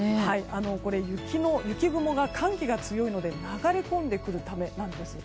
雪雲が寒気が強いので流れ込んでくるためなんです。